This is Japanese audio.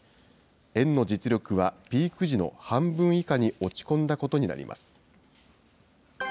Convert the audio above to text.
円の実力はピーク時の半分以下に落ち込んだことになります。